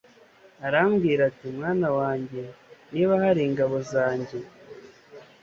Arambwira ati Mwana wanjye niba hari ingabo zanjye